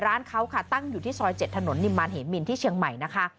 ร้านเขาค่ะตั้งอยู่ที่ซอย๗ถนนนิมมารเหมินที่เชียงใหม่นะคะ